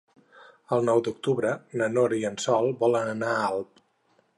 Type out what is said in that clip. El nou d'octubre na Nora i en Sol volen anar a Alp.